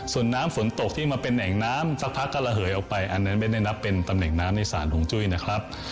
ส่วนน้ำฝนตกที่มาเป็นแหล่งน้ำสักพักก็ระเหยออกไปอันนั้นไม่ได้นับเป็นตำแหน่งน้ำในสารห่วงจุ้ยนะครับ